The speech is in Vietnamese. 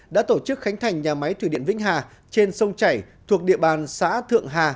đã tổ chức khánh thành nhà máy thủy điện vĩnh hà trên sông chảy thuộc địa bàn xã thượng hà